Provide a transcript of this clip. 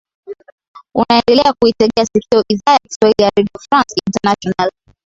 unaendelea kuitegea sikio idhaa ya kiswahili ya redio france internationale